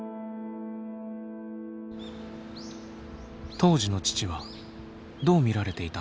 当時の父はどう見られていたのか。